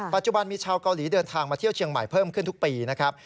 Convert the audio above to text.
ปัจจุบันมีชาวเกาหลีเดินทางมาเที่ยวเชียงใหม่เพิ่มขึ้นทุกปีนะครับ